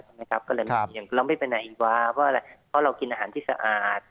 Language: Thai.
ใช่ไหมครับเราไม่เป็นไหนอีกว่าเพราะเรากินอาหารที่สะอาด